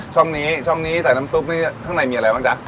ช่องนี้ช่องนี้ใส่น้ำซุปนี่ข้างในมีอะไรบ้างจ๊ะ